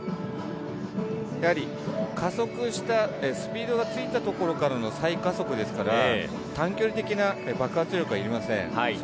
やはり加速したスピードがついたところからの再加速ですから、短距離的な爆発力はいりません。